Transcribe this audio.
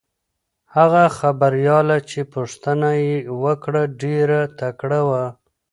هغه خبریاله چې پوښتنه یې وکړه ډېره تکړه وه.